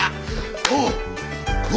おう！